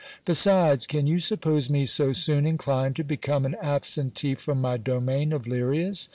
Besides, can you suppose me so soon inclined to become an absentee from my domain of Lirias